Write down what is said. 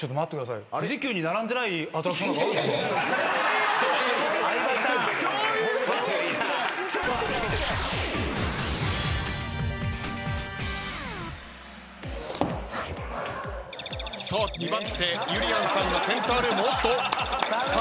さあ２番手ゆりやんさんがセンタールーム。